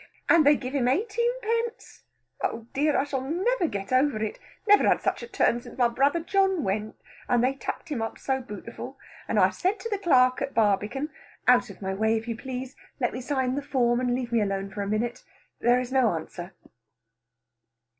And they give him eighteen pence. Oh dear, I shall never get over it. Never had such a turn since my brother John went, and they tucked him up so bootiful, and I said to the clerk at Barbican " "Out of my way if you please. Let me sign the form, and leave me alone a minute. There is no answer."